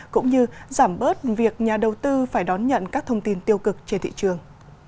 cũng như giảm bớt việc nhà đầu tư phải đón nhận các thông tin tiêu cực trên thị trường